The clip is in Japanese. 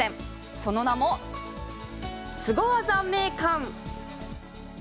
その名も、スゴ技名鑑。